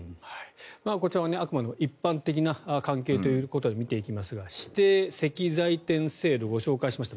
こちらはあくまでも一般的な関係ということで見ていきますが指定石材店制度ご紹介しました。